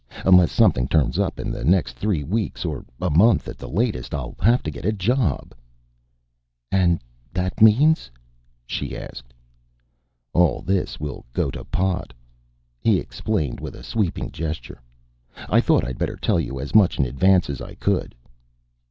Unless something turns up in the next three weeks, or a month at the latest, I'll have to get a job." "And that means " she asked. "All this will go to pot," he explained with a sweeping gesture. "I thought I'd better tell you as much in advance as I could."